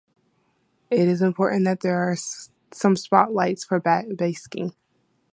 It is important that there are some spot lights for basking.